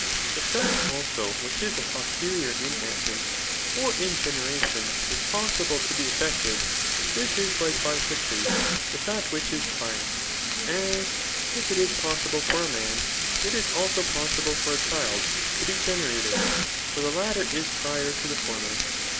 If that, also, which is poRSteribr in essence, or in generation, is possible to be eJ&cted, this is likewise the case with diat which is prior ; as, if it is possible for a man, it is also possible for a chSd, to be generated ; for the latter is prior to the former.